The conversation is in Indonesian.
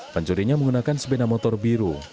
pencurinya menggunakan sepeda motor biru